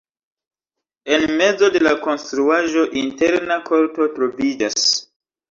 En mezo de la konstruaĵo interna korto troviĝas.